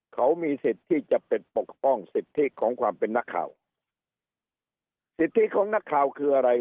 เขามีสิทธิ์ที่จะเป็นปกป้องสิทธิของความเป็นนักข่าวสิทธิของนักข่าวคืออะไร